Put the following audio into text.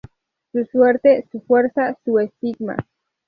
Su suerte, su fuerza, su estigma.